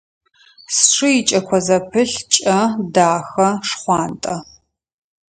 Сшы икӏэко зэпылъ кӏэ, дахэ, шхъуантӏэ.